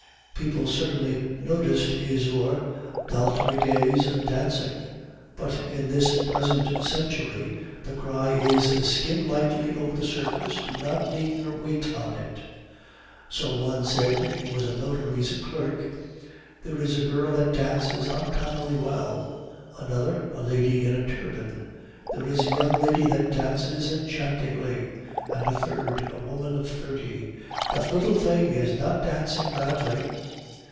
People certainly noticed Isaure d'Aldrigger's dancing; but in this present century the cry is 'Skim lightly over the surface, do not lean your weight on it;' so one said (he was a notary's clerk), 'There is a girl that dances uncommonly well;' another (a lady in a turban), 'There is a young lady that dances enchantingly;' and a third (a woman of thirty), 'That little thing is not dancing badly.